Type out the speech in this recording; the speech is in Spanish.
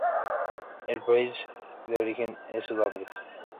El país de origen es Sudáfrica.